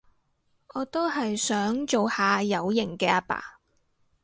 我都係想做下有型嘅阿爸